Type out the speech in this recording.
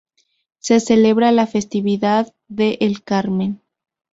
Se celebra la festividad de El Carmen.